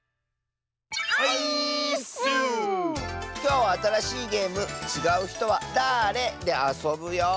きょうはあたらしいゲーム「ちがうひとはだれ？」であそぶよ。